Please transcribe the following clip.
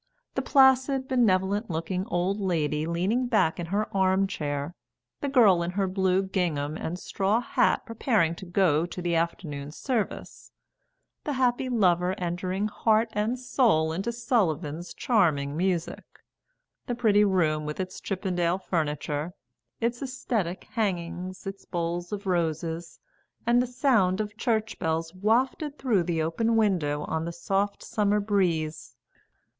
The placid benevolent looking old lady leaning back in her arm chair; the girl in her blue gingham and straw hat preparing to go to the afternoon service; the happy lover entering heart and soul into Sullivan's charming music; the pretty room with its Chippendale furniture, its aesthetic hangings, its bowls of roses; and the sound of church bells wafted through the open window on the soft summer breeze.